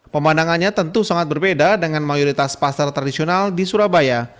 pemandangannya tentu sangat berbeda dengan mayoritas pasar tradisional di surabaya